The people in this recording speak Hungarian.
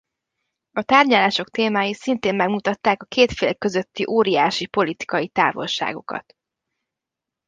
A tárgyalások témái szintén megmutatták a két fél közötti óriási politikai távolságokat.